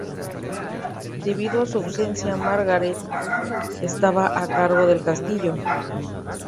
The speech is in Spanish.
Debido a su ausencia, Margaret estaba a cargo del castillo.